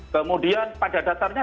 kemudian pada dasarnya